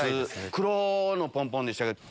黒のポンポンでしたけど。